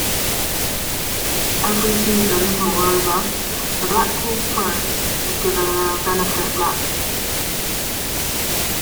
Every season, moreover, the Blackpool pro was given a benefit match.